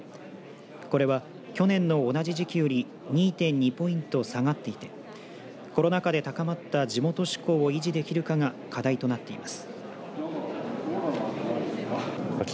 これは去年の同じ時期より２．２ポイント下がっていてコロナ禍で高まった地元志向を維持できるかが課題となっています。